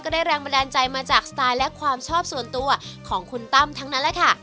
ได้แรงบันดาลใจมาจากสไตล์และความชอบส่วนตัวของคุณตั้มทั้งนั้นแหละค่ะ